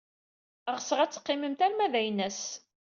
Ɣseɣ ad teqqimemt arma d aynas.